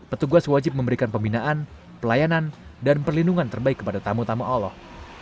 petugas wajib memberikan pembinaan pelayanan dan perlindungan terbaik kepada tamu tamu allah